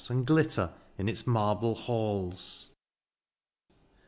And glitter in its marble halls.